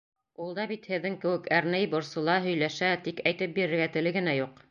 Ул да бит һеҙҙең кеүек әрней, борсола, һөйләшә, тик әйтеп бирергә теле генә юҡ.